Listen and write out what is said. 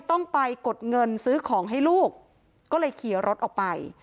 ต้องไปกดเงินซื้อของให้ลูกก็เลยขี่รถออกไป